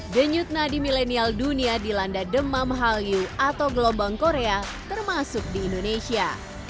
denyut nadi milenial dunia dilanda demam hallyu atau gelombang korea termasuk di indonesia